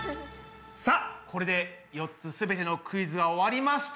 さあこれで４つすべてのクイズが終わりました。